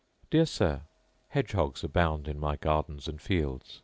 Dear Sir, Hedge hogs abound in my gardens and fields.